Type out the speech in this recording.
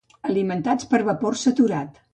Alimentats per vapor saturat.